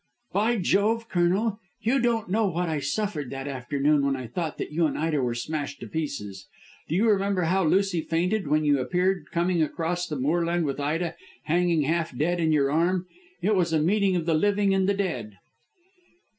"By jove! Colonel, you don't know what I suffered that afternoon when I thought that you and Ida were smashed to pieces. Do you remember how Lucy fainted when you appeared coming across the moorland with Ida hanging half dead on your arm? It was a meeting of the living and the dead."